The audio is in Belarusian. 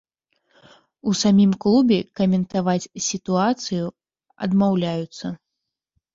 У самім клубе каментаваць сітуацыю адмаўляюцца.